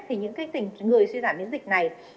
thì những người suy giảm miễn dịch này